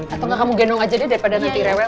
atau kamu genong aja dia daripada nanti rewel